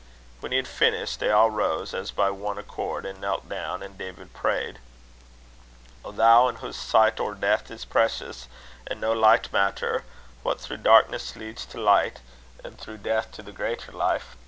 When he had finished, they all rose, as by one accord, and knelt down, and David prayed: "O Thou in whase sicht oor deeth is precious, an' no licht maitter; wha through darkness leads to licht, an' through deith to the greater life!